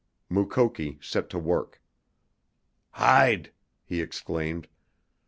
Mukoki set to work. "Hide!" he exclaimed.